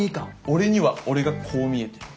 俺には俺がこう見えてる。